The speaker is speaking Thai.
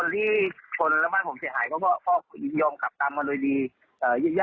พี่คนบ้านผมเสียหายก็พ่อกลืนกลับตามมาเลยดี